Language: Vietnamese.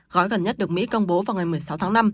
gói gần nhất được mỹ công bố vào ngày một mươi sáu tháng năm